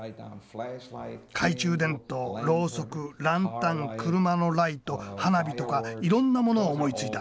懐中電灯ろうそくランタン車のライト花火とかいろんなものを思いついた。